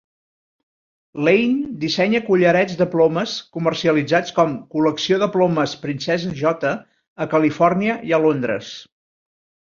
Lane dissenya collarets de plomes comercialitzats com "Col·lecció de Plomes Princesa J." a Califòrnia i a Londres.